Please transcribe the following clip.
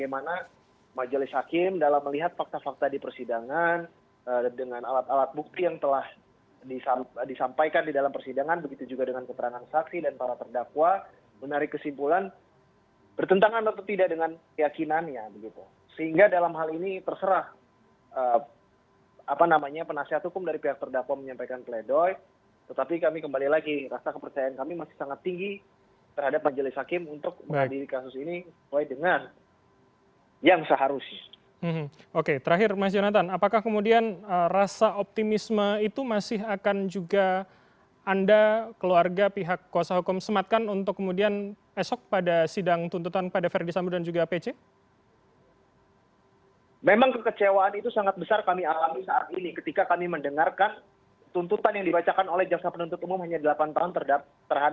mas yonatan terima kasih